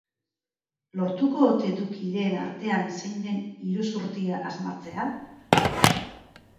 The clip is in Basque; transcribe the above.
Lortuko ote du kideen artean zein den iruzurtia asmatzea?